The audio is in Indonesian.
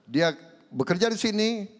dia bekerja di sini